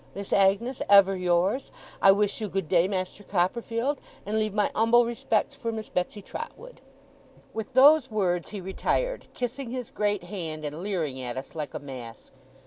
Miss Agnes, ever yours! I wish you good day, Master Copperfield, and leave my umble respects for Miss Betsey Trotwood.' With those words, he retired, kissing his great hand, and leering at us like a mask.